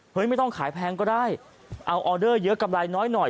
ไม่ต้องขายแพงก็ได้เอาออเดอร์เยอะกำไรน้อยหน่อย